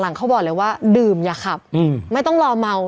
เขาบอกเลยว่าดื่มอย่าขับไม่ต้องรอเมา